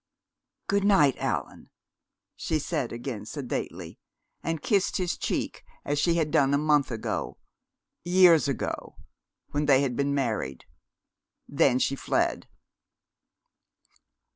"Good night, Allan," she said again sedately, and kissed his cheek as she had done a month ago years ago! when they had been married. Then she fled.